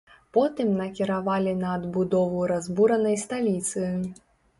Потым накіравалі на адбудову разбуранай сталіцы.